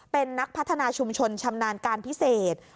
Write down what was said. เป็นนักพัฒนาชุมชนชำนาญการพิเศษ